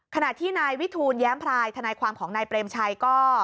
ขณะที่นายวิทูลแย้มพลายทนายความของนายเปรมชัยก็